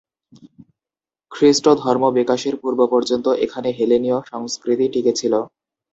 খ্রিস্ট ধর্ম বিকাশের পূর্ব পর্যন্ত এখানে হেলেনীয় সংস্কৃতি টিকে ছিল।